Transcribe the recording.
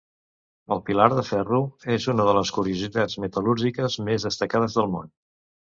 El pilar de ferro és una de les curiositats metal·lúrgiques més destacades del món.